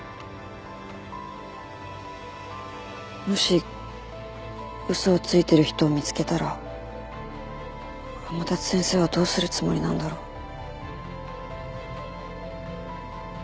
もし嘘をついてる人を見つけたら天達先生はどうするつもりなんだろう。